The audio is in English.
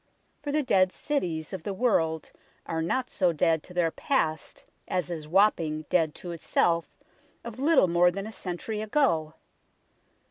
For the dead cities of the world are not so dead to their past as is Wapping dead to itself of little more than a century ago.